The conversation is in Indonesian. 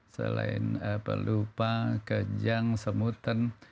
selain pelupa kejang semuten